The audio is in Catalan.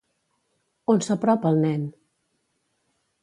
On s'apropa el nen?